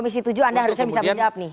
komisi tujuh anda harusnya bisa menjawab nih